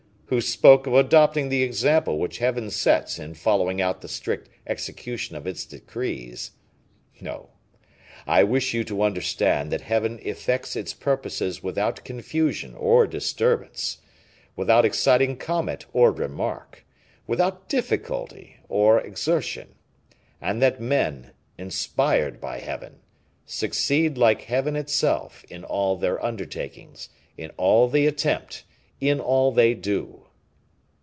who spoke of adopting the example which Heaven sets in following out the strict execution of its decrees? No, I wish you to understand that Heaven effects its purposes without confusion or disturbance, without exciting comment or remark, without difficulty or exertion; and that men, inspired by Heaven, succeed like Heaven itself, in all their undertakings, in all they attempt, in all they do."